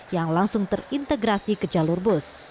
yang langsung terintegrasi ke jalur bus